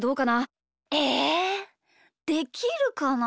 えできるかな。